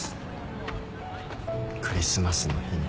クリスマスの日に。